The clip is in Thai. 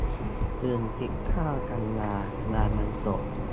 ถึงสิบเก้า กันยา มาบรรจบ